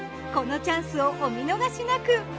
このチャンスをお見逃しなく！